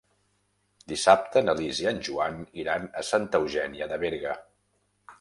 Dissabte na Lis i en Joan iran a Santa Eugènia de Berga.